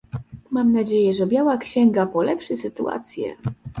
Mam nadzieję, że biała księga polepszy sytuację